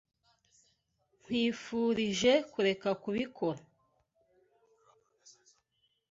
Nkwifurije kureka kubikora.